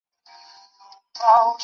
儿子有温井续宗。